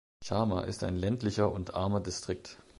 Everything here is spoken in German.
Chama ist ein ländlicher und armer Distrikt.